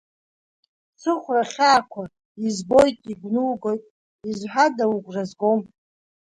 Сыхәра хьаақәа, избоит, игәнугоит, изҳәада, угәра згом?